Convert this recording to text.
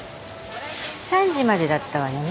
３時までだったわよね？